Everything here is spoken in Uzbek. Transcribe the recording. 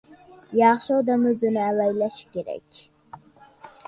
Yaxshi odam o‘zini avaylashi kerak.